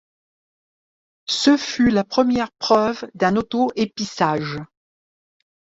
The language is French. Ce fut la première preuve d'un auto-épissage.